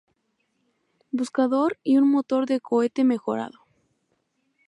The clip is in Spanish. Buscador y un motor de cohete mejorado.